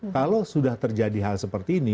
kalau sudah terjadi hal seperti ini